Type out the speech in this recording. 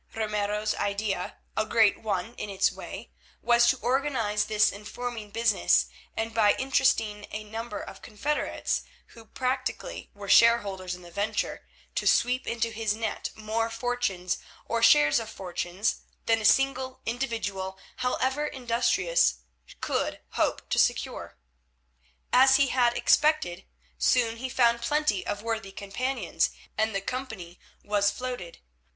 Ramiro's idea—a great one in its way—was to organise this informing business, and, by interesting a number of confederates who practically were shareholders in the venture, to sweep into his net more fortunes, or shares of fortunes, than a single individual, however industrious, could hope to secure. As he had expected, soon he found plenty of worthy companions, and the company was floated.